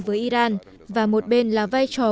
với iran và một bên là vai trò